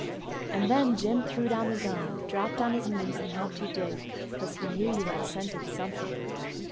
"And then Jim threw down the gun, dropped on his knees, and helped you dig; 'cause he knew you had scented something.